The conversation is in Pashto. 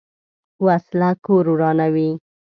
وسله کور ورانوي